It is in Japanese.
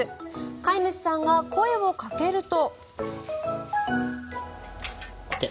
飼い主さんが声をかけると。